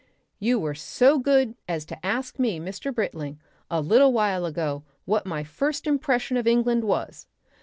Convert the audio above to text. "You were so good as to ask me, Mr. Britling, a little while ago, what my first impression of England was.